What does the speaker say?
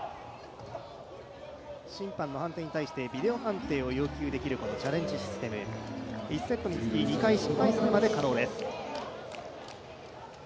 審判の判定に対してビデオ判定を要求できるこのチャレンジシステム、１セットにつき２回失敗するまで可能です。